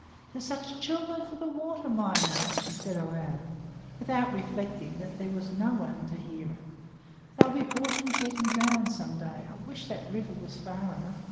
"They're such children for the water, mine are," she said aloud, without reflecting that there was no one to hear her; "they'll be brought in dead and drownded some day. I wish that river was far enough."